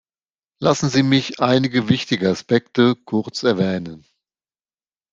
Lassen Sie mich einige wichtige Aspekte kurz erwähnen.